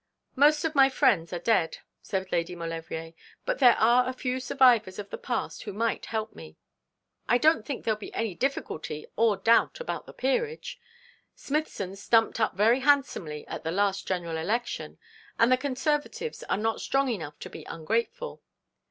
'Most of my friends are dead,' said Lady Maulevrier, 'but there are a few survivors of the past who might help me.' 'I don't think there'll be any difficulty or doubt about the peerage. Smithson stumped up very handsomely at the last General Election, and the Conservatives are not strong enough to be ungrateful.